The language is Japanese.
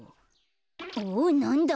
おっなんだ？